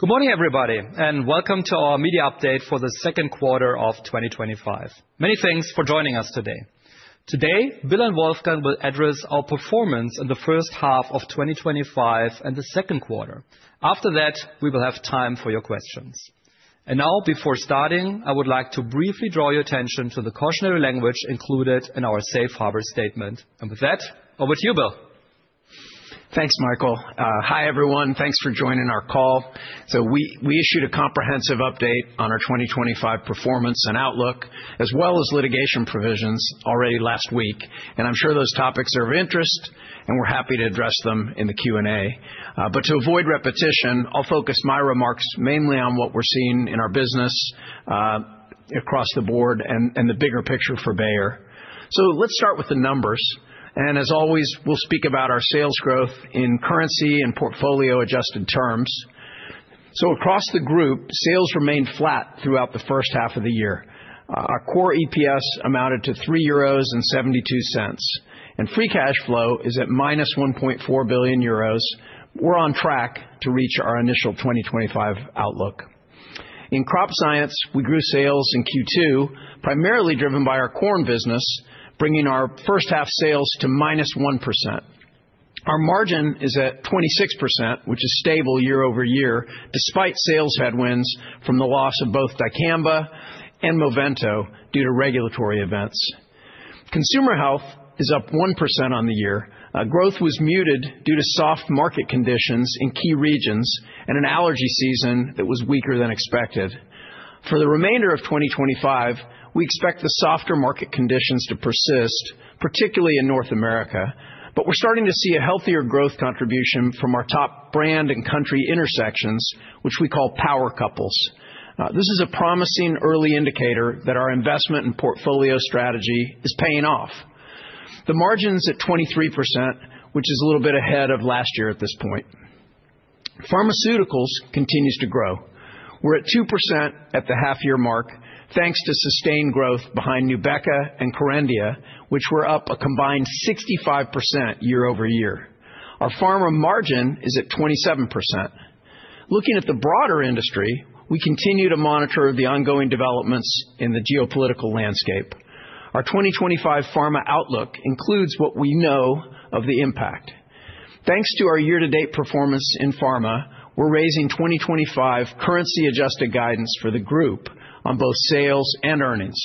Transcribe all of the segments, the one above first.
Good morning, everybody, and welcome to our media update for the second quarter of 2025. Many thanks for joining us today. Today, Bill and Wolfgang will address our performance in the first half of 2025 and the second quarter. After that, we will have time for your questions. Before starting, I would like to briefly draw your attention to the cautionary language included in our Safe Harbor statement. With that, over to you, Bill. Thanks, Michael. Hi, everyone. Thanks for joining our call. We issued a comprehensive update on our 2025 performance and outlook, as well as litigation provisions already last week. I'm sure those topics are of interest, and we're happy to address them in the Q&A. To avoid repetition, I'll focus my remarks mainly on what we're seeing in our business across the board and the bigger picture for Bayer. Let's start with the numbers. As always, we'll speak about our sales growth in currency and portfolio-adjusted terms. Across the group, sales remained flat throughout the first half of the year. Our core EPS amounted to 3.72 euros, and free cash flow is at -1.4 billion euros. We're on track to reach our initial 2025 outlook. In Crop Science, we grew sales in Q2, primarily driven by our corn business, bringing our first-half sales to -1%. Our margin is at 26%, which is stable year-over-year, despite sales headwinds from the loss of both Dicamba and Movento due to regulatory events. Consumer Health is up 1% on the year. Growth was muted due to soft market conditions in key regions and an allergy season that was weaker than expected. For the remainder of 2025, we expect the softer market conditions to persist, particularly in North America. We're starting to see a healthier growth contribution from our top brand and country intersections, which we call power couples. This is a promising early indicator that our investment and portfolio strategy is paying off. The margin's at 23%, which is a little bit ahead of last year at this point. Pharmaceuticals continues to grow. We're at 2% at the half-year mark, thanks to sustained growth behind NUBEQA and Kerendia, which were up a combined 65% year-over-year. Our Pharma margin is at 27%. Looking at the broader industry, we continue to monitor the ongoing developments in the geopolitical landscape. Our 2025 Pharma outlook includes what we know of the impact. Thanks to our year-to-date performance in Pharma, we're raising 2025 currency-adjusted guidance for the group on both sales and earnings.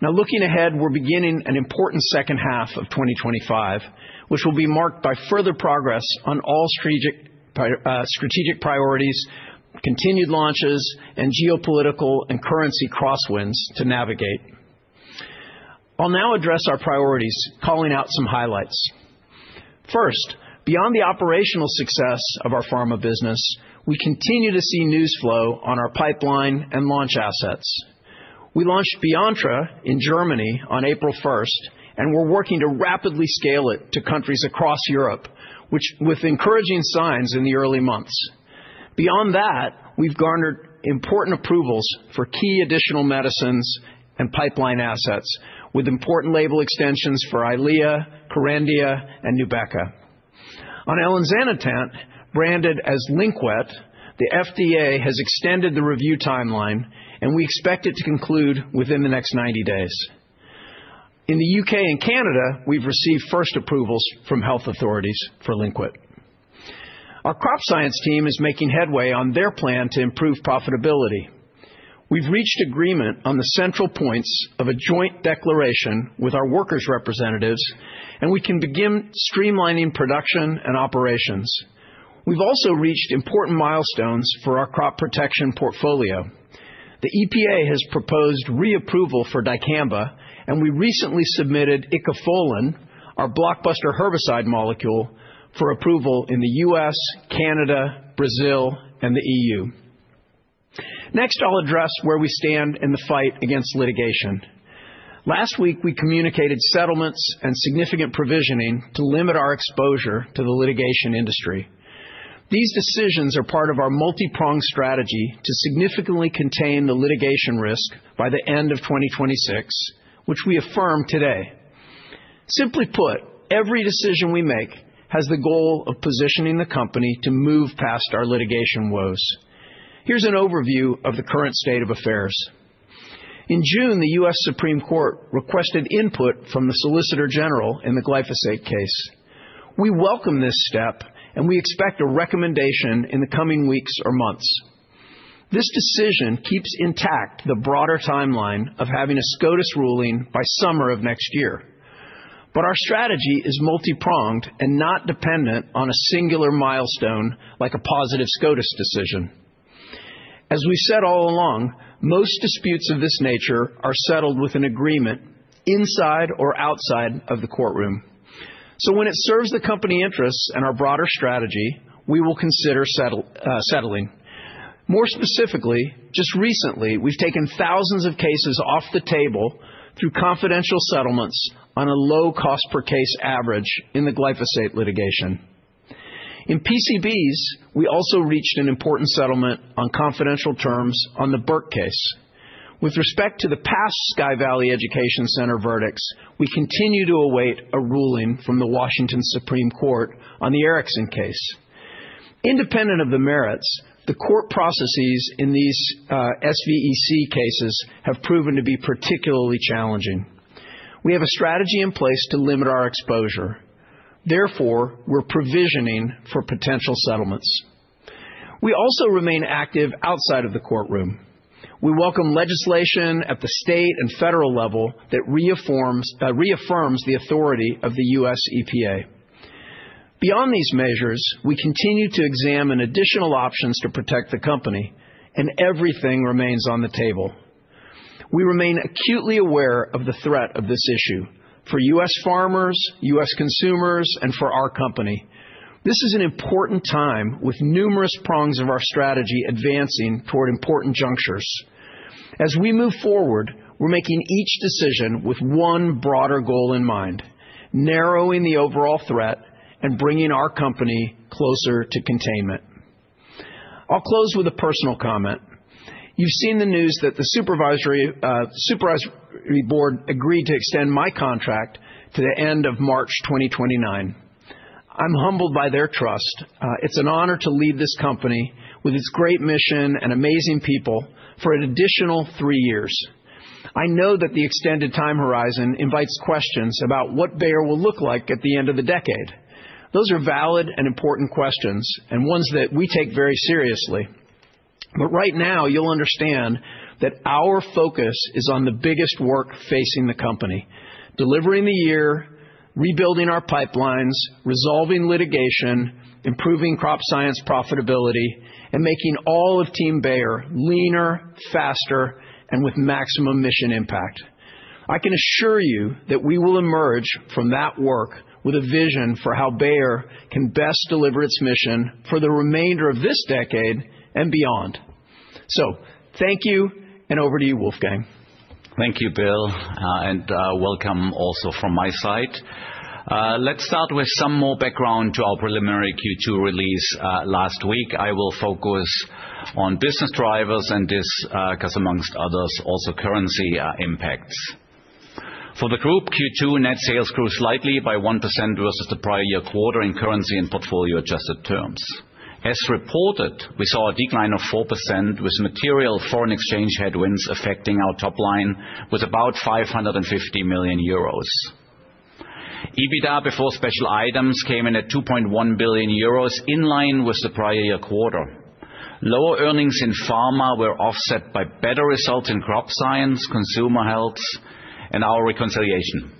Looking ahead, we're beginning an important second half of 2025, which will be marked by further progress on all strategic priorities, continued launches, and geopolitical and currency crosswinds to navigate. I'll now address our priorities, calling out some highlights. First, beyond the operational success of our Pharma business, we continue to see news flow on our pipeline and launch assets. We launched Beyonttra in Germany on April 1st, and we're working to rapidly scale it to countries across Europe, with encouraging signs in the early months. Beyond that, we've garnered important approvals for key additional medicines and pipeline assets, with important label extensions for Eylea, Kerendia, and NUBEQA. On elinzanetant, branded as Lynkuet, the FDA has extended the review timeline, and we expect it to conclude within the next 90 days. In the U.K. and Canada, we've received first approvals from health authorities for Lynkuet. Our Crop Science team is making headway on their plan to improve profitability. We've reached agreement on the central points of a joint declaration with our workers' representatives, and we can begin streamlining production and operations. We've also reached important milestones for our crop protection portfolio. The EPA has proposed reapproval for Dicamba, and we recently submitted Icafolin, our blockbuster herbicide molecule, for approval in the U.S., Canada, Brazil, and the EU. Next, I'll address where we stand in the fight against litigation. Last week, we communicated settlements and significant provisions to limit our exposure to the litigation industry. These decisions are part of our multipronged strategy to significantly contain the litigation risk by the end of 2026, which we affirm today. Simply put, every decision we make has the goal of positioning the company to move past our litigation woes. Here's an overview of the current state of affairs. In June, the U.S. Supreme Court requested input from the Solicitor General in the glyphosate case. We welcome this step, and we expect a recommendation in the coming weeks or months. This decision keeps intact the broader timeline of having a SCOTUS ruling by summer of next year. Our strategy is multipronged and not dependent on a singular milestone like a positive SCOTUS decision. As we said all along, most disputes of this nature are settled with an agreement inside or outside of the courtroom. When it serves the company interests and our broader strategy, we will consider settling. More specifically, just recently, we've taken thousands of cases off the table through confidential settlements on a low cost-per-case average in the glyphosate litigation. In PCBs, we also reached an important settlement on confidential terms on the Burke case. With respect to the past Sky Valley Education Center verdicts, we continue to await a ruling from the Washington Supreme Court on the Erickson case. Independent of the merits, the court processes in these SVEC cases have proven to be particularly challenging. We have a strategy in place to limit our exposure. Therefore, we're provisioning for potential settlements. We also remain active outside of the courtroom. We welcome legislation at the state and federal level that reaffirms the authority of the US EPA. Beyond these measures, we continue to examine additional options to protect the company, and everything remains on the table. We remain acutely aware of the threat of this issue for US farmers, US consumers, and for our company. This is an important time with numerous prongs of our strategy advancing toward important junctures. As we move forward, we're making each decision with one broader goal in mind: narrowing the overall threat and bringing our company closer to containment. I'll close with a personal comment. You've seen the news that the Supervisory Board agreed to extend my contract to the end of March 2029. I'm humbled by their trust. It's an honor to lead this company with its great mission and amazing people for an additional three years. I know that the extended time horizon invites questions about what Bayer will look like at the end of the decade. Those are valid and important questions and ones that we take very seriously. Right now, you'll understand that our focus is on the biggest work facing the company: delivering the year, rebuilding our pipelines, resolving litigation, improving Crop Science profitability, and making all of Team Bayer leaner, faster, and with maximum mission impact. I can assure you that we will emerge from that work with a vision for how Bayer can best deliver its mission for the remainder of this decade and beyond. Thank you, and over to you, Wolfgang. Thank you, Bill, and welcome also from my side. Let's start with some more background to our preliminary Q2 release last week. I will focus on business drivers and this, because, amongst others, also currency impacts. For the group, Q2 net sales grew slightly by 1% versus the prior year quarter in currency and portfolio-adjusted terms. As reported, we saw a decline of 4% with material foreign exchange headwinds affecting our top line with about 550 million euros. EBITDA before special items came in at 2.1 billion euros, in line with the prior year quarter. Lower earnings in Pharma were offset by better results in Crop Science, Consumer Health, and our reconciliation.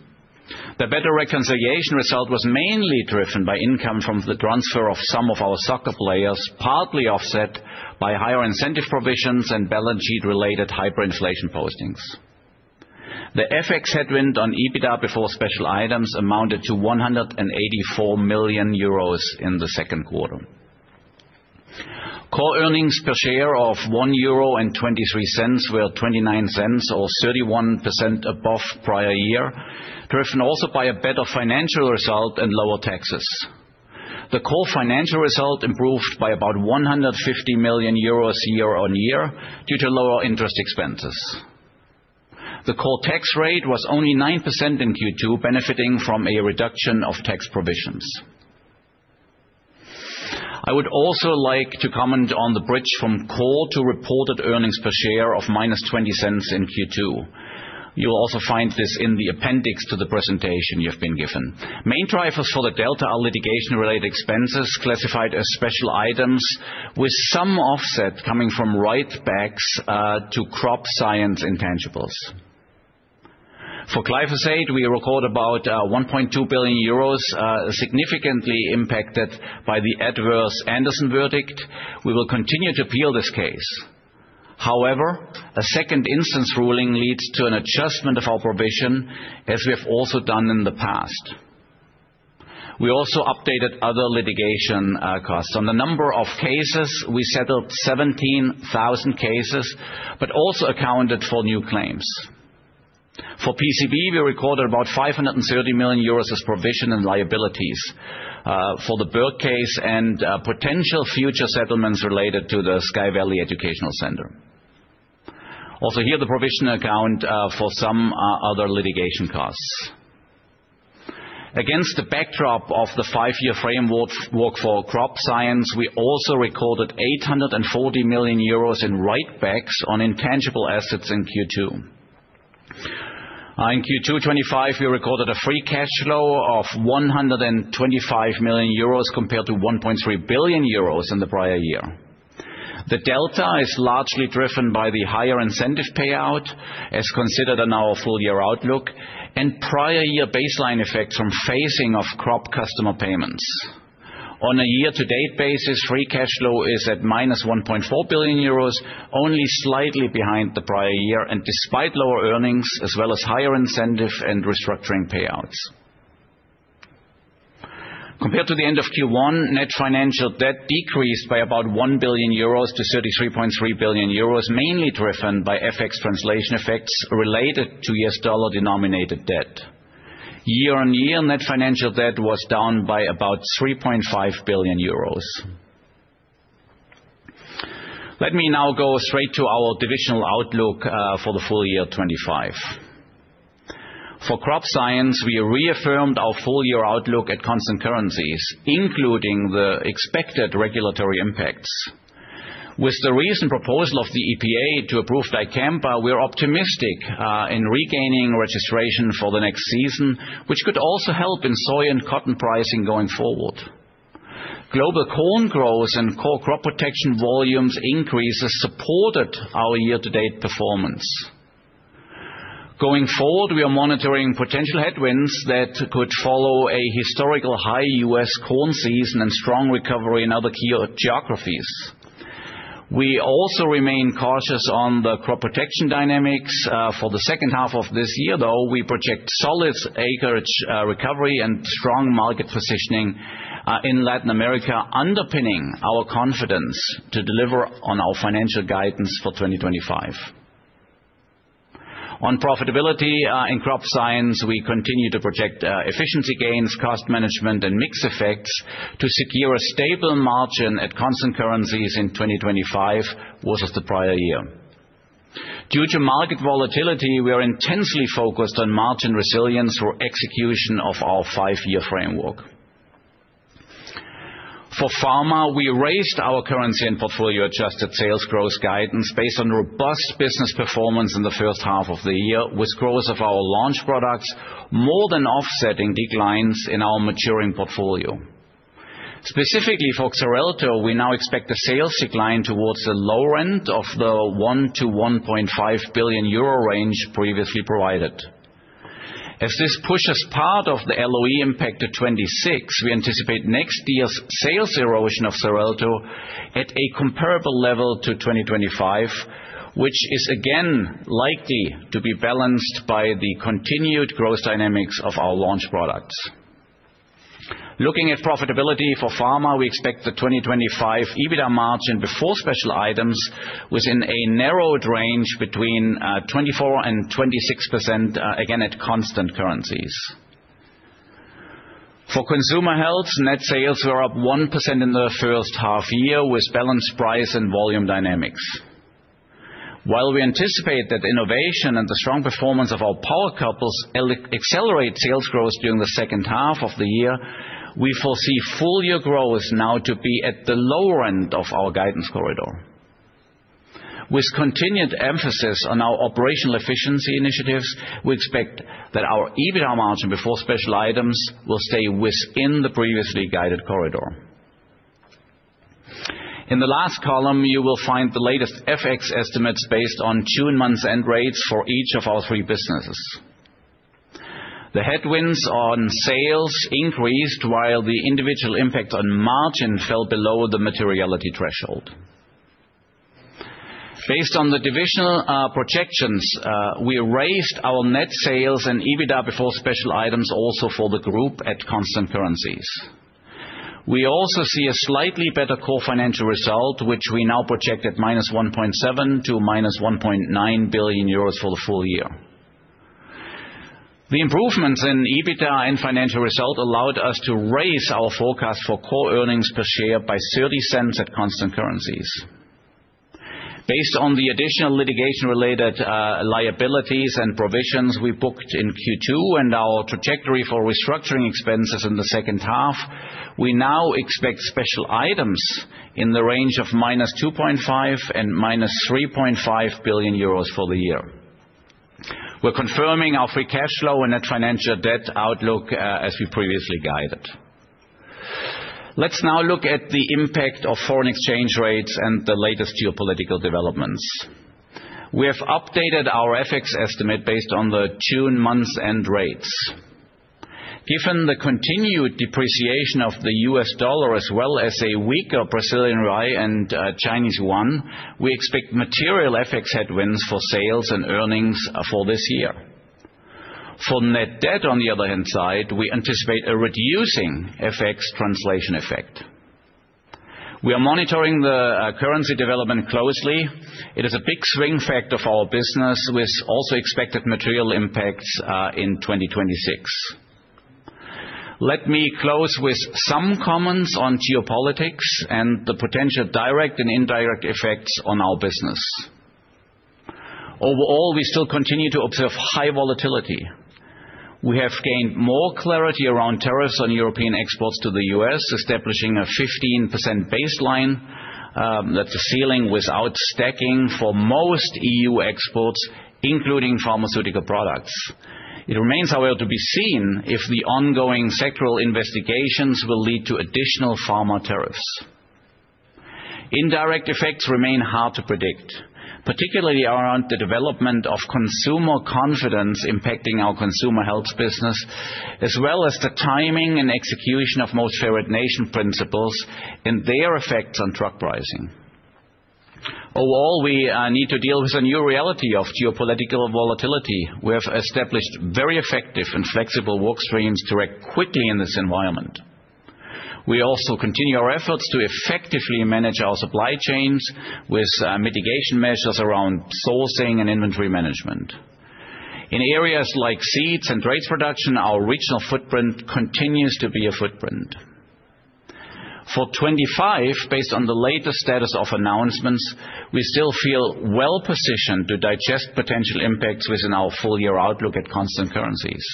The better reconciliation result was mainly driven by income from the transfer of some of our soccer players, partly offset by higher incentive provisions and balance sheet-related hyperinflation postings. The FX headwind on EBITDA before special items amounted to 184 million euros in the second quarter. Core EPS of EUR 1.23 were EUR 0.29, or 31% above prior year, driven also by a better financial result and lower taxes. The core financial result improved by about 150 million euros year on year due to lower interest expenses. The core tax rate was only 9% in Q2, benefiting from a reduction of tax provisions. I would also like to comment on the bridge from core to reported EPS of -0.20 in Q2. You'll also find this in the appendix to the presentation you've been given. Main drivers for the delta are litigation-related expenses classified as special items, with some offset coming from write-backs to Crop Science intangibles. For glyphosate, we record about 1.2 billion euros, significantly impacted by the adverse Anderson verdict. We will continue to appeal this case. However, a second instance ruling leads to an adjustment of our provision, as we have also done in the past. We also updated other litigation costs. On the number of cases, we settled 17,000 cases, but also accounted for new claims. For PCB, we recorded about 530 million euros as provision and liabilities for the Burke case and potential future settlements related to the Sky Valley Educational Center. Also, here, the provision accounts for some other litigation costs. Against the backdrop of the five-year framework for Crop Science, we also recorded 840 million euros in write-backs on intangible assets in Q2. In Q2 2025, we recorded a free cash flow of 125 million euros compared to 1.3 billion euros in the prior year. The delta is largely driven by the higher incentive payout, as considered in our full-year outlook, and prior-year baseline effects from phasing of crop customer payments. On a year-to-date basis, free cash flow is at -1.4 billion euros, only slightly behind the prior year, and despite lower earnings, as well as higher incentive and restructuring payouts. Compared to the end of Q1, net financial debt decreased by about 1 billion-33.3 billion euros, mainly driven by FX translation effects related to U.S. dollar denominated debt. Year on year, net financial debt was down by about 3.5 billion euros. Let me now go straight to our divisional outlook for the full year 2025. For Crop Science, we reaffirmed our full-year outlook at constant currencies, including the expected regulatory impacts. With the recent proposal of the EPA to approve Dicamba, we're optimistic in regaining registration for the next season, which could also help in soy and cotton pricing going forward. Global corn growth and core crop protection volumes increases supported our year-to-date performance. Going forward, we are monitoring potential headwinds that could follow a historical high U.S. corn season and strong recovery in other geographies. We also remain cautious on the crop protection dynamics. For the second half of this year, though, we project solid acreage recovery and strong market positioning in Latin America, underpinning our confidence to deliver on our financial guidance for 2025. On profitability in Crop Science, we continue to project efficiency gains, cost management, and mixed effects to secure a stable margin at constant currencies in 2025 versus the prior year. Due to market volatility, we are intensely focused on margin resilience for execution of our five-year framework. For Pharma, we raised our currency and portfolio-adjusted sales growth guidance based on robust business performance in the first half of the year, with growth of our launch products more than offsetting declines in our maturing portfolio. Specifically for Xarelto, we now expect a sales decline towards the lower end of the 1 billion-1.5 billion euro range previously provided. As this pushes part of the LOE impact to 2026, we anticipate next year's sales erosion of Xarelto at a comparable level to 2025, which is again likely to be balanced by the continued growth dynamics of our launch products. Looking at profitability for Pharma, we expect the 2025 EBITDA margin before special items within a narrowed range between 24% and 26%, again at constant currencies. For Consumer Health, net sales were up 1% in the first half year with balanced price and volume dynamics. While we anticipate that innovation and the strong performance of our power couples accelerate sales growth during the second half of the year, we foresee full-year growth now to be at the lower end of our guidance corridor. With continued emphasis on our operational efficiency initiatives, we expect that our EBITDA margin before special items will stay within the previously guided corridor. In the last column, you will find the latest FX estimates based on June month's end rates for each of our three businesses. The headwinds on sales increased, while the individual impact on margin fell below the materiality threshold. Based on the divisional projections, we raised our net sales and EBITDA before special items also for the group at constant currencies. We also see a slightly better core financial result, which we now project at -1.7 to -1.9 billion euros for the full year. The improvements in EBITDA and financial result allowed us to raise our forecast for core EPS by 0.30 at constant currencies. Based on the additional litigation-related liabilities and provisions we booked in Q2 and our trajectory for restructuring expenses in the second half, we now expect special items in the range of -2.5 billion and -3.5 billion euros for the year. We're confirming our free cash flow and net financial debt outlook as we previously guided. Let's now look at the impact of foreign exchange rates and the latest geopolitical developments. We have updated our FX estimate based on the June month's end rates. Given the continued depreciation of the U.S. dollar, as well as a weaker Brazilian Real and Chinese Yuan, we expect material FX headwinds for sales and earnings for this year. For net debt, on the other hand side, we anticipate a reducing FX translation effect. We are monitoring the currency development closely. It is a big swing factor for our business, with also expected material impacts in 2026. Let me close with some comments on geopolitics and the potential direct and indirect effects on our business. Overall, we still continue to observe high volatility. We have gained more clarity around tariffs on European exports to the U.S., establishing a 15% baseline. That's a ceiling without stacking for most EU exports, including pharmaceutical products. It remains, however, to be seen if the ongoing sectoral investigations will lead to additional pharma tariffs. Indirect effects remain hard to predict, particularly around the development of consumer confidence impacting our Consumer Health business, as well as the timing and execution of most shared nation principles and their effects on drug pricing. Overall, we need to deal with a new reality of geopolitical volatility. We have established very effective and flexible workstreams to react quickly in this environment. We also continue our efforts to effectively manage our supply chains with mitigation measures around sourcing and inventory management. In areas like seeds and rice production, our regional footprint continues to be a footprint. For 2025, based on the latest status of announcements, we still feel well-positioned to digest potential impacts within our full-year outlook at constant currencies.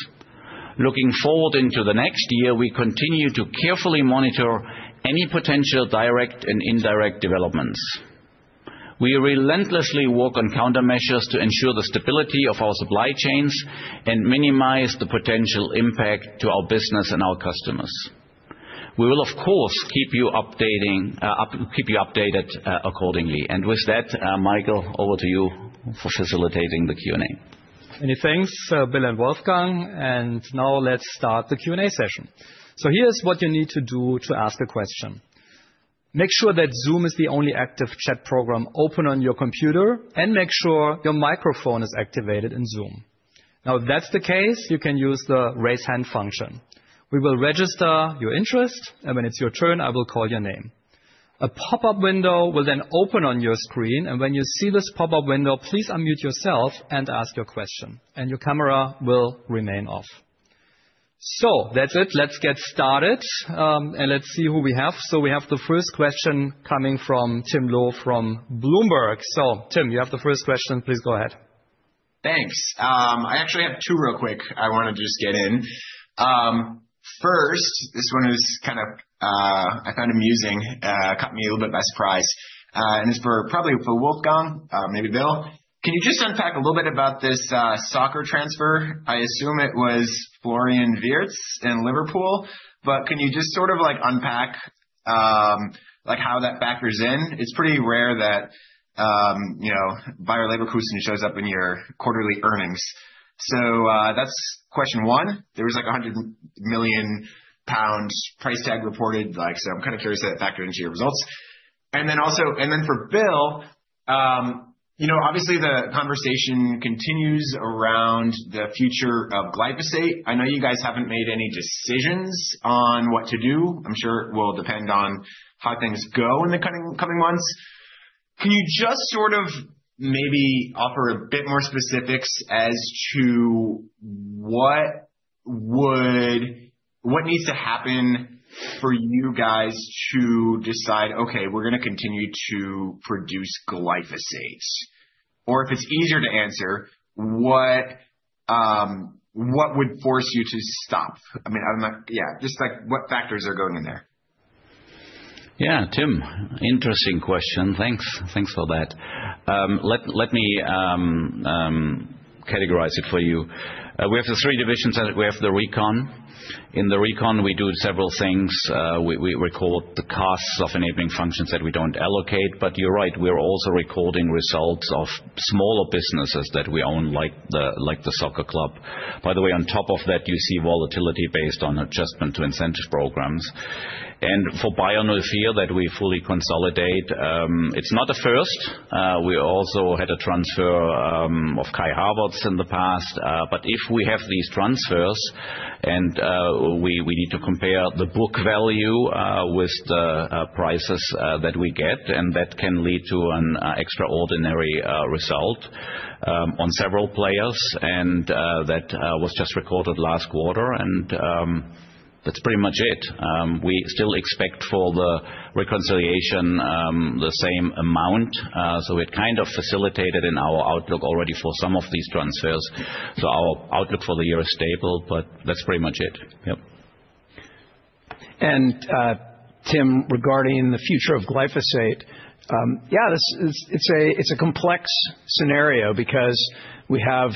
Looking forward into the next year, we continue to carefully monitor any potential direct and indirect developments. We relentlessly work on countermeasures to ensure the stability of our supply chains and minimize the potential impact to our business and our customers. We will, of course, keep you updated accordingly. With that, Michael, over to you for facilitating the Q&A. Many thanks, Bill and Wolfgang. Now let's start the Q&A session. Here's what you need to do to ask a question. Make sure that Zoom is the only active chat program open on your computer, and make sure your microphone is activated in Zoom. If that's the case, you can use the raise hand function. We will register your interest, and when it's your turn, I will call your name. A pop-up window will then open on your screen. When you see this pop-up window, please unmute yourself and ask your question, and your camera will remain off. That's it. Let's get started and see who we have. We have the first question coming from Tim Lowe from Bloomberg. Tim, you have the first question. Please go ahead. Thanks. I actually have two real quick I want to just get in. First, this one is kind of, I found amusing. It caught me a little bit by surprise. It's probably for Wolfgang, maybe Bill. Can you just unpack a little bit about this soccer transfer? I assume it was Florian Wirtz and Liverpool, but can you just sort of like unpack how that factors in? It's pretty rare that Bayer Leverkusen shows up in your quarterly earnings. That's question one. There was like 100 million pounds price tag reported. I'm kind of curious if that factored into your results. For Bill, obviously, the conversation continues around the future of glyphosate. I know you guys haven't made any decisions on what to do. I'm sure it will depend on how things go in the coming months. Can you just sort of maybe offer a bit more specifics as to what needs to happen for you guys to decide, OK, we're going to continue to produce glyphosate? Or if it's easier to answer, what would force you to stop? I mean, yeah, just like what factors are going in there? Yeah, Tim, interesting question. Thanks for that. Let me categorize it for you. We have the three divisions. We have the recon. In the recon, we do several things. We record the costs of enabling functions that we don't allocate. You're right, we're also recording results of smaller businesses that we own, like the soccer club. By the way, on top of that, you see volatility based on adjustment to incentive programs. For Bayer that we fully consolidate, it's not a first. We also had a transfer of Kai Havertz in the past. If we have these transfers, we need to compare the book value with the prices that we get. That can lead to an extraordinary result on several players. That was just recorded last quarter. That's pretty much it. We still expect for the reconciliation the same amount. We had kind of facilitated in our outlook already for some of these transfers. Our outlook for the year is stable, but that's pretty much it. Tim, regarding the future of glyphosate, yeah, it's a complex scenario because we have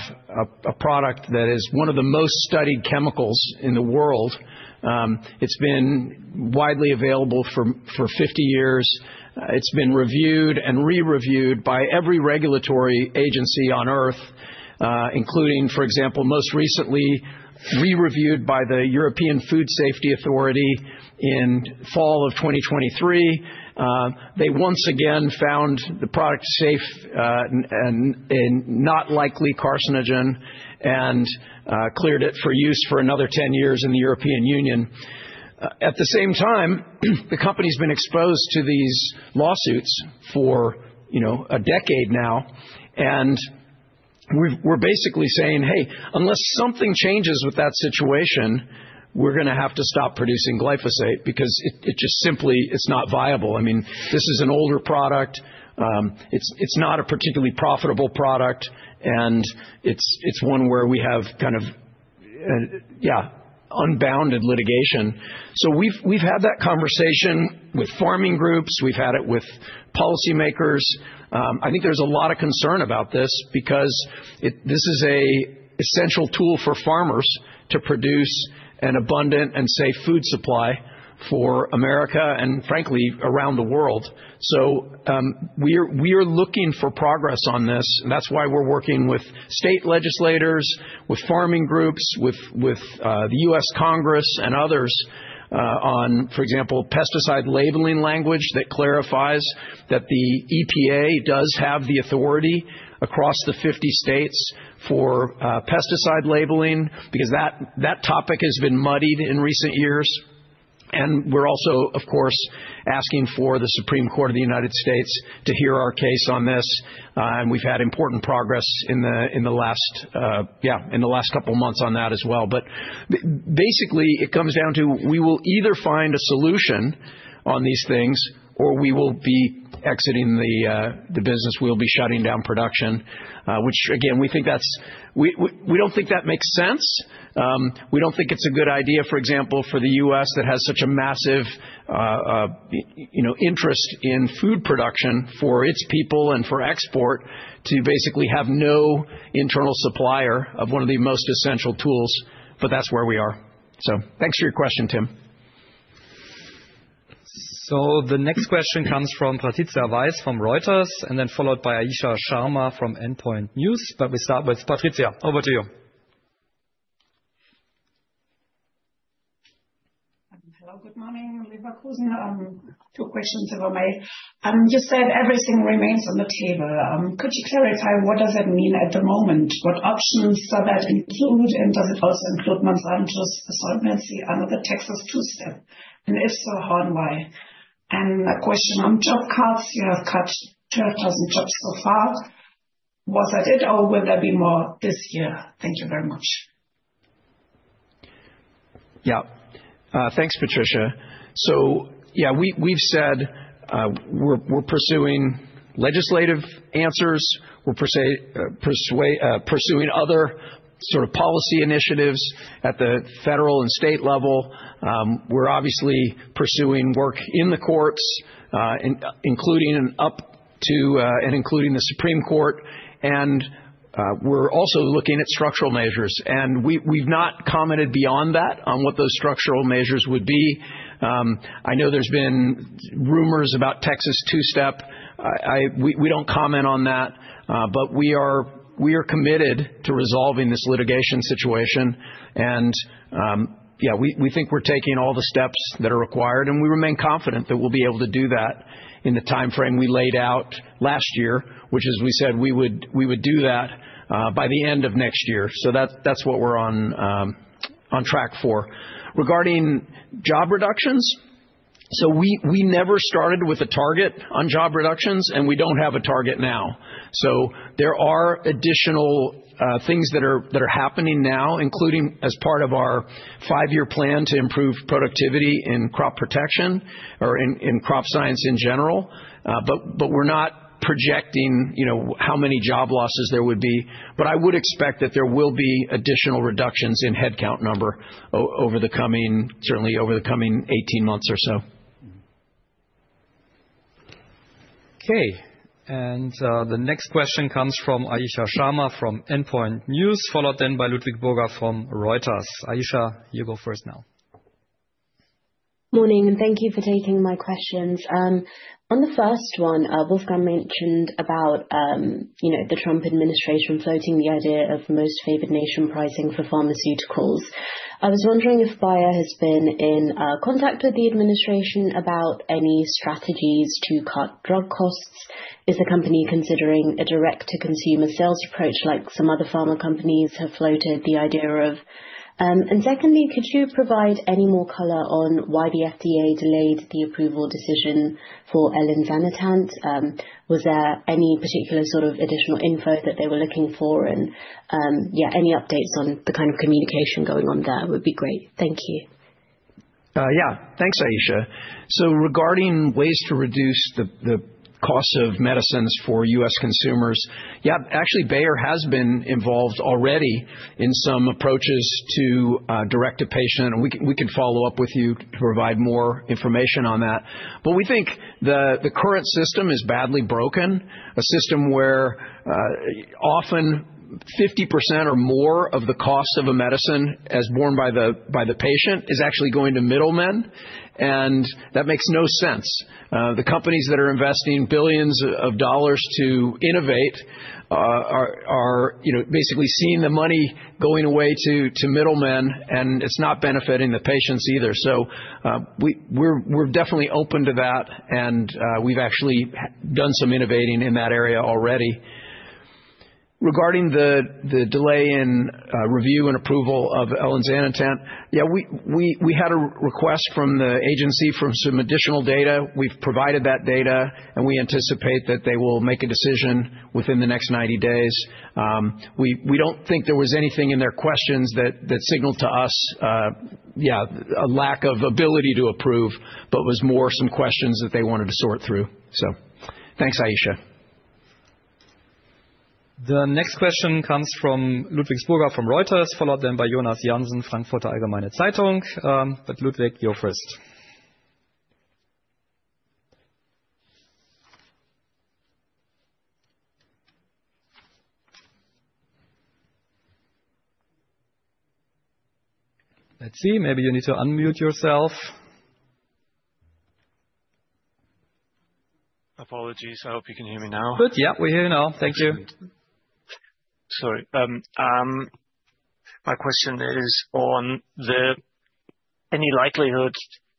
a product that is one of the most studied chemicals in the world. It's been widely available for 50 years. It's been reviewed and re-reviewed by every regulatory agency on Earth, including, for example, most recently re-reviewed by the European Food Safety Authority in the fall of 2023. They once again found the product safe and not likely carcinogen and cleared it for use for another 10 years in the European Union. At the same time, the company's been exposed to these lawsuits for a decade now. We're basically saying, hey, unless something changes with that situation, we're going to have to stop producing glyphosate because it just simply is not viable. I mean, this is an older product. It's not a particularly profitable product. It's one where we have kind of, yeah, unbounded litigation. We've had that conversation with farming groups. We've had it with policymakers. I think there's a lot of concern about this because this is an essential tool for farmers to produce an abundant and safe food supply for America and, frankly, around the world. We are looking for progress on this. That's why we're working with state legislators, with farming groups, with the U.S. Congress, and others on, for example, pesticide labeling language that clarifies that the EPA does have the authority across the 50 states for pesticide labeling because that topic has been muddied in recent years. We're also, of course, asking for the Supreme Court of the United States to hear our case on this. We've had important progress in the last, yeah, in the last couple of months on that as well. Basically, it comes down to we will either find a solution on these things, or we will be exiting the business. We'll be shutting down production, which, again, we think that's we don't think that makes sense. We don't think it's a good idea, for example, for the U.S. that has such a massive interest in food production for its people and for export to basically have no internal supplier of one of the most essential tools. That's where we are. Thanks for your question, Tim. The next question comes from Patricia Weiss from Reuters and then followed by Ayisha Sharma from Endpoint News. We start with Patricia. Over to you. Hello. Good morning. I'm Patricia. Two questions about Bayer. You said everything remains on the table. Could you clarify what does that mean at the moment? What options are there in June and in the middle of the fall to improve non-biome source fertility under the Texas system? If so, how and why? A question on job cuts. You have cut 30,000 jobs so far. Was that it, or will there be more this year? Thank you very much. Thank you, Patricia. We've said we're pursuing legislative answers. We're pursuing other policy initiatives at the federal and state level. We're obviously pursuing work in the courts, including up to and including the Supreme Court. We're also looking at structural measures. We've not commented beyond that on what those structural measures would be. I know there's been rumors about Texas two-step. We don't comment on that. We are committed to resolving this litigation situation. We think we're taking all the steps that are required. We remain confident that we'll be able to do that in the time frame we laid out last year, which is, we said we would do that by the end of next year. That's what we're on track for. Regarding job reductions, we never started with a target on job reductions, and we don't have a target now. There are additional things that are happening now, including as part of our five-year plan to improve productivity in crop protection or in Crop Science in general. We're not projecting how many job losses there would be. I would expect that there will be additional reductions in headcount number over the coming, certainly over the coming 18 months or so. The next question comes from Ayisha Sharma from Endpoint News, followed then by Ludwig Burger from Reuters. Ayesha, you go first now. Morning. Thank you for taking my questions. On the first one, Wolfgang mentioned about the Trump administration floating the idea of most favored nation pricing for pharmaceuticals. I was wondering if Bayer has been in contact with the administration about any strategies to cut drug costs. Is the company considering a direct-to-consumer sales approach like some other pharma companies have floated the idea of? Secondly, could you provide any more color on why the FDA delayed the approval decision for elinzanetant? Was there any particular sort of additional info that they were looking for? Any updates on the kind of communication going on there would be great. Thank you. Yeah. Thanks, Ayisha. Regarding ways to reduce the cost of medicines for U.S. consumers, Bayer has been involved already in some approaches to direct a patient. We can follow up with you to provide more information on that. We think the current system is badly broken, a system where often 50% or more of the cost of a medicine as borne by the patient is actually going to middlemen. That makes no sense. The companies that are investing billions of dollars to innovate are basically seeing the money going away to middlemen, and it's not benefiting the patients either. We're definitely open to that. We've actually done some innovating in that area already. Regarding the delay in review and approval of elinzanetant, we had a request from the agency for some additional data. We've provided that data, and we anticipate that they will make a decision within the next 90 days. We don't think there was anything in their questions that signaled to us a lack of ability to approve, but it was more some questions that they wanted to sort through. Thanks, Ayisha. The next question comes from Ludwig Burger from Reuters, followed then by Jonas Jansen, Frankfurter Allgemeine Zeitung. Ludwig, you're first. Let's see. Maybe you need to unmute yourself. Apologies. I hope you can hear me now. Good. Yeah, we hear you now. Thank you. Sorry. My question is on the any likelihood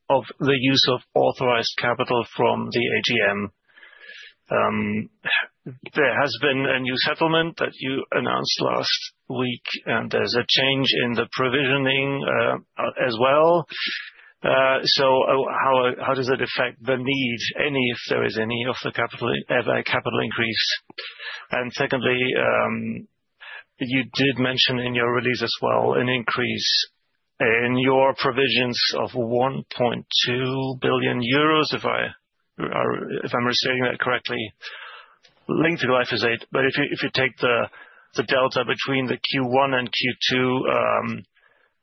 of the use of authorized capital from the AGM. There has been a new settlement that you announced last week, and there's a change in the provisioning as well. How does it affect the need, if there is any, of the capital increase? You did mention in your release as well an increase in your provisions of 1.2 billion euros, if I'm restating that correctly, linked to glyphosate. If you take the delta between the Q1 and Q2,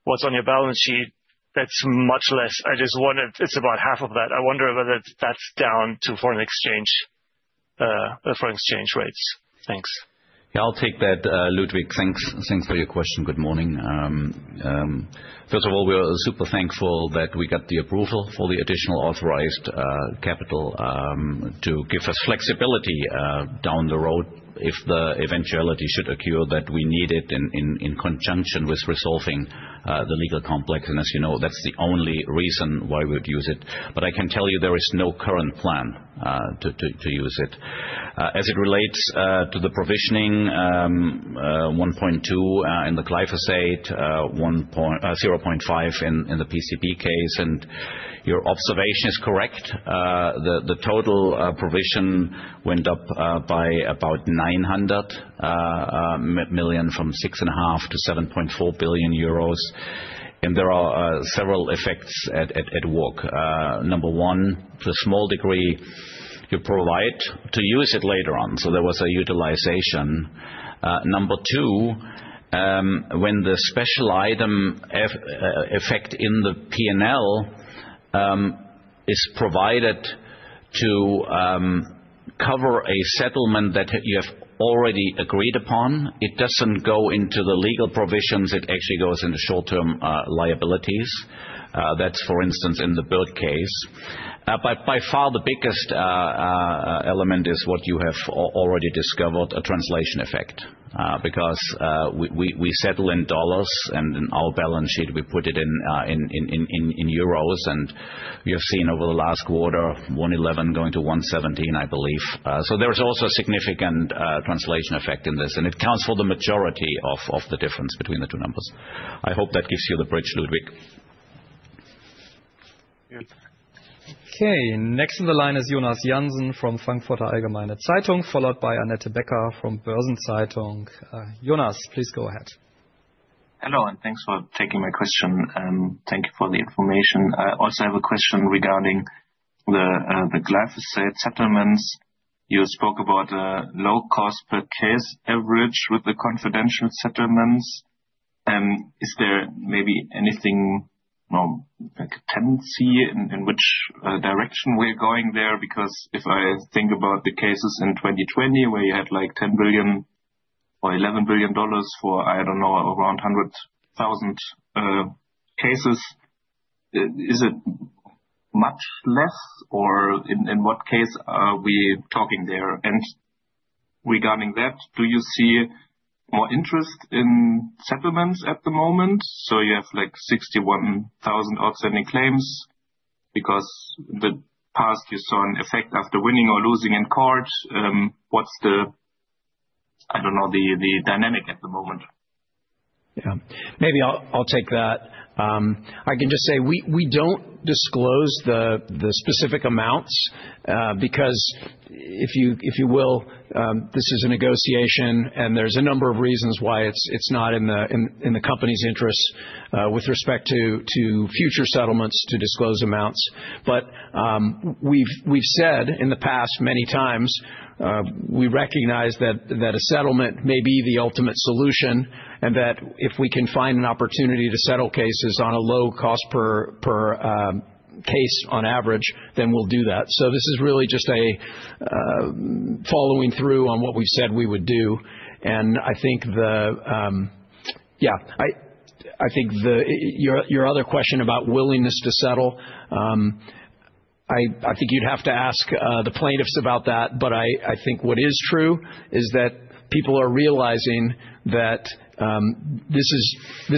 what's on your balance sheet, that's much less. I just wonder if it's about half of that. I wonder whether that's down to foreign exchange rates. Thanks. Yeah, I'll take that, Ludwig. Thanks for your question. Good morning. First of all, we're super thankful that we got the approval for the additional authorized capital to give us flexibility down the road if the eventuality should occur that we need it in conjunction with resolving the legal complex. As you know, that's the only reason why we would use it. I can tell you there is no current plan to use it. As it relates to the provisioning, 1.2 billion in the glyphosate, 0.5 billion in the PCB case. Your observation is correct. The total provision went up by about 900 million from 6.5 billion-7.4 billion euros. There are several effects at work. Number one, to a small degree, to provide to use it later on. There was a utilization. Number two, when the special item effect in the P&L is provided to cover a settlement that you have already agreed upon, it doesn't go into the legal provisions. It actually goes into short-term liabilities. That's, for instance, in the Burke case. By far, the biggest element is what you have already discovered, a translation effect, because we settle in dollars, and in our balance sheet, we put it in Euros. You've seen over the last quarter 1.11 going to 1.17, I believe. There's also a significant translation effect in this. It accounts for the majority of the difference between the two numbers. I hope that gives you the bridge, Ludwig. Okay. Next in the line is Jonas Jansen from Frankfurter Allgemeine Zeitung, followed by Annette Becker from Börsen-Zeitung. Jonas, please go ahead. Hello, and thanks for taking my question. Thank you for the information. I also have a question regarding the glyphosate settlements. You spoke about a low-cost purchase average with the confidential settlements. Is there maybe anything, you know, like a tendency in which direction we're going there? Because if I think about the cases in 2020 where you had like $10 billion or $11 billion for, I don't know, around 100,000 cases, is it much less, or in what case are we talking there? Regarding that, do you see more interest in settlements at the moment? You have like 61,000 outstanding claims because in the past, you saw an effect after winning or losing in court. What's the, I don't know, the dynamic at the moment? Maybe I'll take that. I can just say we don't disclose the specific amounts because, if you will, this is a negotiation, and there's a number of reasons why it's not in the company's interest with respect to future settlements to disclose amounts. We've said in the past many times, we recognize that a settlement may be the ultimate solution and that if we can find an opportunity to settle cases on a low cost per case on average, then we'll do that. This is really just following through on what we've said we would do. I think your other question about willingness to settle, you'd have to ask the plaintiffs about that. What is true is that people are realizing that this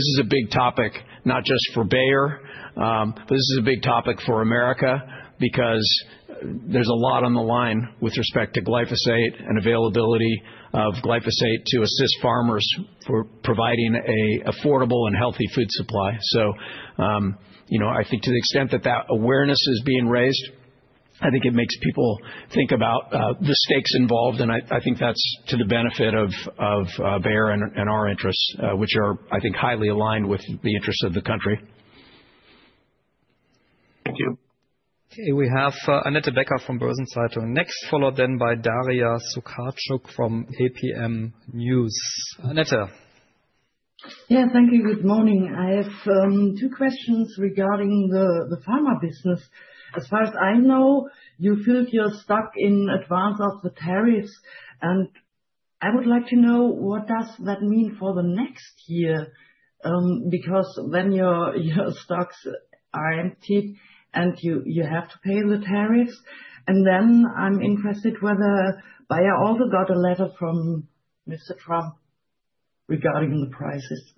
is a big topic, not just for Bayer, but this is a big topic for America because there's a lot on the line with respect to glyphosate and availability of glyphosate to assist farmers for providing an affordable and healthy food supply. To the extent that awareness is being raised, it makes people think about the stakes involved. I think that's to the benefit of Bayer and our interests, which are highly aligned with the interests of the country. Okay. We have Annette Becker from Börsen-Zeitung next, followed by Daria Sukharchuk from APM News. Annette. Thank you. Good morning. I have two questions regarding the Pharma business. As far as I know, you fill your stock in advance of the tariffs. I would like to know, what does that mean for the next year? Because when your stocks are empty, you have to pay the tariffs. I'm interested whether Bayer also got a letter from Mr. Trump regarding the prices.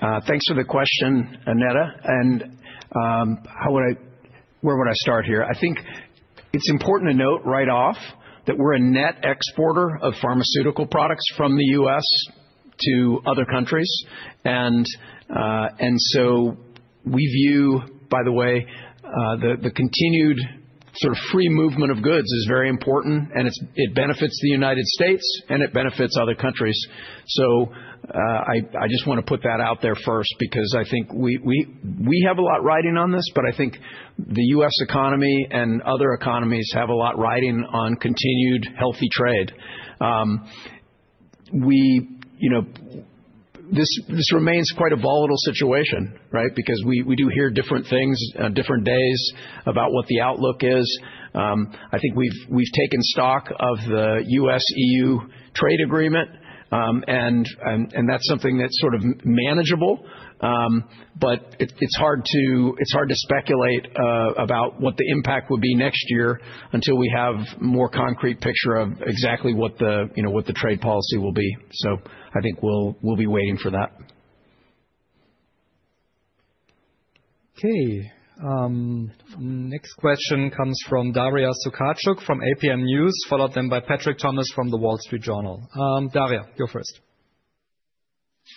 Thank you for the question, Annette. I think it's important to note right off that we're a net exporter of pharmaceutical products from the U.S. to other countries. We view, by the way, the continued sort of free movement of goods as very important. It benefits the United States, and it benefits other countries. I just want to put that out there first because I think we have a lot riding on this. I think the U.S. economy and other economies have a lot riding on continued healthy trade. This remains quite a volatile situation because we do hear different things on different days about what the outlook is. I think we've taken stock of the U.S.-EU trade agreement, and that's something that's sort of manageable. It's hard to speculate about what the impact would be next year until we have a more concrete picture of exactly what the trade policy will be. I think we'll be waiting for that. Okay. Next question comes from Daria Sukavchuk from APM News, followed by Patrick Thomas from The Wall Street Journal. Daria, go first.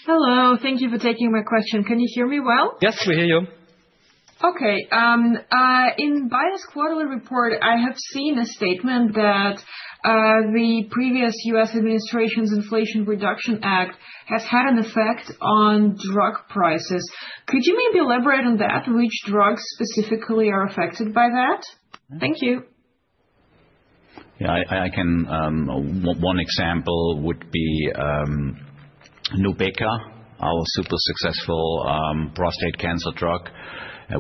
Hello. Thank you for taking my question. Can you hear me well? Yes, we hear you. Okay. In Bayer's quarterly report, I have seen a statement that the previous U.S. administration's Inflation Reduction Act has had an effect on drug prices. Could you maybe elaborate on that? Which drugs specifically are affected by that? Thank you. Yeah. One example would be NUBEQA, our super successful prostate cancer drug.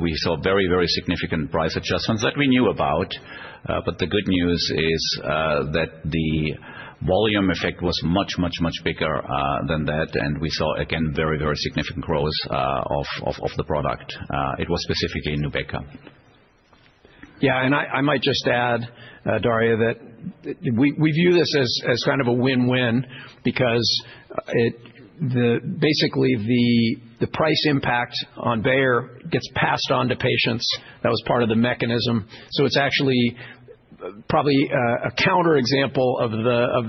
We saw very, very significant price adjustments that we knew about. The good news is that the volume effect was much, much, much bigger than that. We saw, again, very, very significant growth of the product. It was specifically NUBEQA. Yeah. I might just add, Daria, that we view this as kind of a win-win because basically, the price impact on Bayer gets passed on to patients. That was part of the mechanism. It's actually probably a counterexample of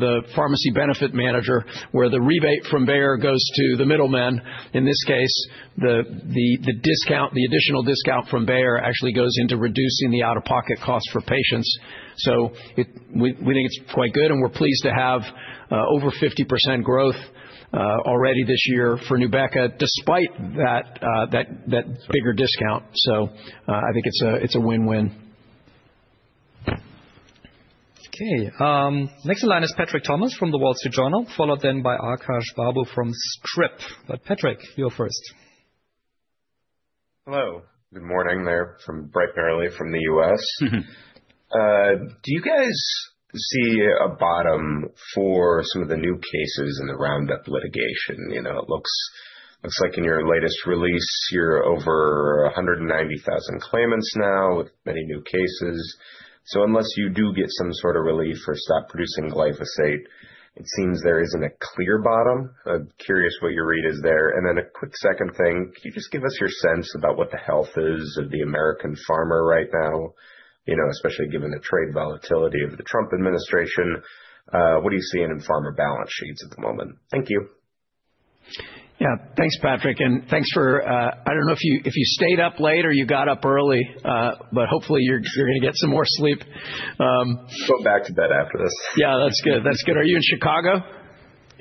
the pharmacy benefit manager, where the rebate from Bayer goes to the middleman. In this case, the additional discount from Bayer actually goes into reducing the out-of-pocket costs for patients. We think it's quite good, and we're pleased to have over 50% growth already this year for NUBEQA, despite that bigger discount. I think it's a win-win. Okay. Next in line is Patrick Thomas from The Wall Street Journal, followed by Akash Babu from [SHRIP]. Patrick, you're first. Hello. Good morning there. I'm from Bright Barely from the U.S. Do you guys see a bottom for some of the new cases in the Roundup litigation? It looks like in your latest release, you're over 190,000 claimants now with many new cases. Unless you do get some sort of relief or stop producing glyphosate, it seems there isn't a clear bottom. I'm curious what your read is there. A quick second thing. Can you just give us your sense about what the health is of the American farmer right now, especially given the trade volatility of the Trump administration? What are you seeing in farmer balance sheets at the moment? Thank you. Yeah. Thanks, Patrick. Thanks for, I don't know if you stayed up late or you got up early, but hopefully, you're going to get some more sleep. I'll go back to bed after this. Yeah, that's good. That's good. Are you in Chicago?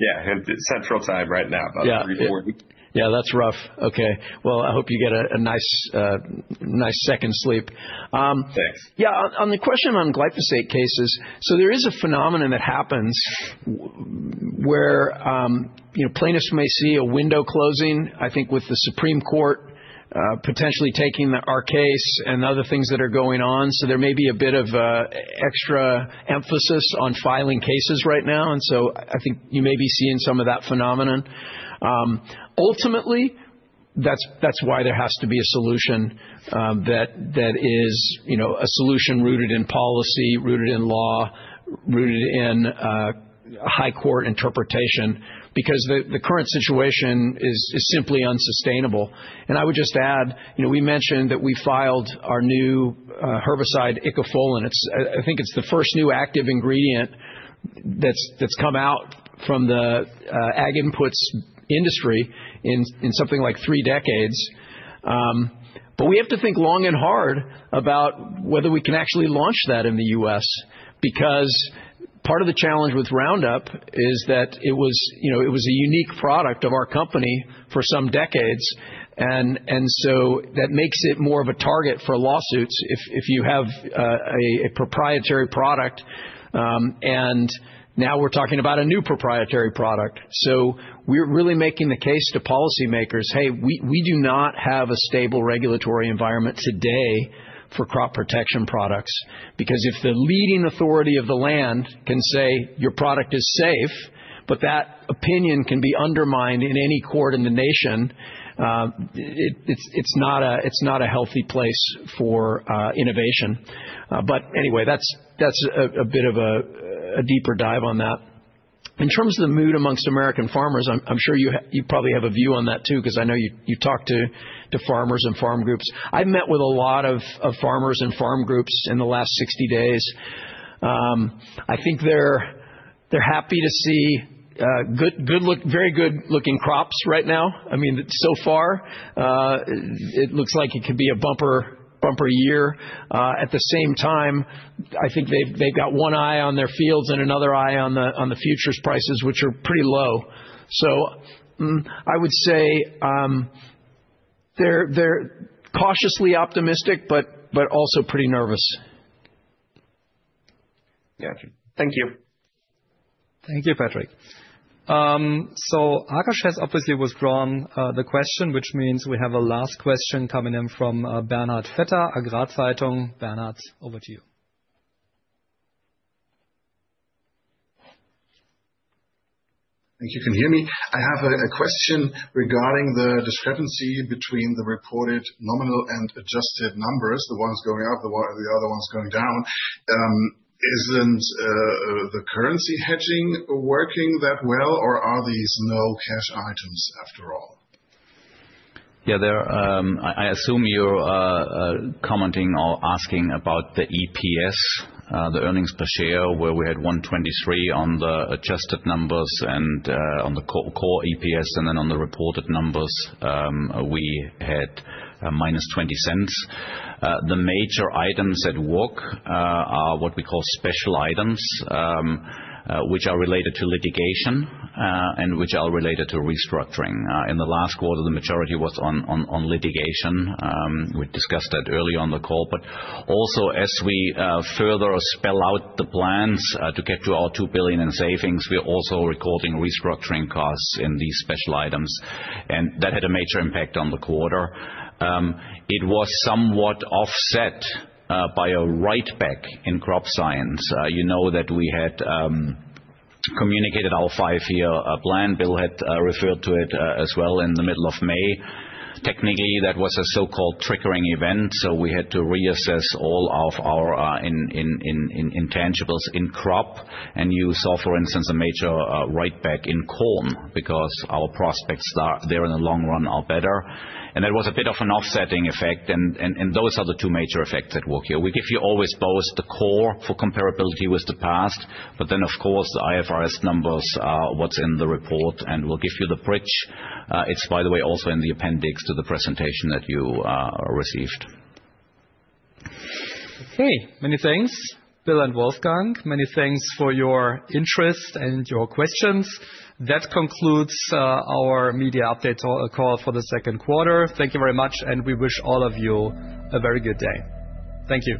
Yeah, I'm in Central Time right now, about 3:40 P.M. Yeah, that's rough. I hope you get a nice second sleep. Thanks. Yeah. On the question on glyphosate cases, there is a phenomenon that happens where plaintiffs may see a window closing, I think, with the Supreme Court potentially taking our case and other things that are going on. There may be a bit of extra emphasis on filing cases right now. I think you may be seeing some of that phenomenon. Ultimately, that's why there has to be a solution that is a solution rooted in policy, rooted in law, rooted in a high court interpretation, because the current situation is simply unsustainable. I would just add, you know, we mentioned that we filed our new herbicide. I think it's the first new active ingredient that's come out from the ag inputs industry in something like three decades. We have to think long and hard about whether we can actually launch that in the U.S. because part of the challenge with Roundup is that it was a unique product of our company for some decades. That makes it more of a target for lawsuits if you have a proprietary product. Now we're talking about a new proprietary product. We're really making the case to policymakers, hey, we do not have a stable regulatory environment today for crop protection products because if the leading authority of the land can say your product is safe, but that opinion can be undermined in any court in the nation, it's not a healthy place for innovation. Anyway, that's a bit of a deeper dive on that. In terms of the mood amongst American farmers, I'm sure you probably have a view on that too because I know you talk to farmers and farm groups. I've met with a lot of farmers and farm groups in the last 60 days. I think they're happy to see very good-looking crops right now. I mean, so far, it looks like it could be a bumper year. At the same time, I think they've got one eye on their fields and another eye on the futures prices, which are pretty low. I would say they're cautiously optimistic, but also pretty nervous. Gotcha. Thank you. Thank you, Patrick. Akash has obviously withdrawn the question, which means we have a last question coming in from Bernhard Vetter, agrarzeitung. Bernhard, over to you. Thank you. Can you hear me? I have a question regarding the discrepancy between the recorded nominal and adjusted numbers, the ones going up, the other ones going down. Isn't the currency hedging working that well, or are these no-cash items after all? Yeah. I assume you're commenting or asking about the EPS, the earnings per share, where we're at $1.23 on the adjusted numbers and on the core EPS, and then on the reported numbers, we had -$0.20. The major items at work are what we call special items, which are related to litigation and which are related to restructuring. In the last quarter, the majority was on litigation. We discussed that earlier on the call. As we further spell out the plans to get to our $2 billion in savings, we're also recording restructuring costs in these special items. That had a major impact on the quarter. It was somewhat offset by a write-back in Crop Science. You know that we had communicated our five-year plan. Bill had referred to it as well in the middle of May. Technically, that was a so-called triggering event. We had to reassess all of our intangibles in Crop. You saw, for instance, a major write-back in corn because our prospects there, in the long run, are better. That was a bit of an offsetting effect. Those are the two major effects at work here. We give you always both the core for comparability with the past, but then, of course, the IFRS numbers are what's in the report. We'll give you the bridge. It's, by the way, also in the appendix to the presentation that you received. Okay. Many thanks, Bill and Wolfgang. Many thanks for your interest and your questions. That concludes our media update call for the second quarter. Thank you very much, and we wish all of you a very good day. Thank you.